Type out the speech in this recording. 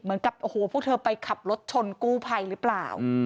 เหมือนกับโอ้โหพวกเธอไปขับรถชนกู้ภัยหรือเปล่า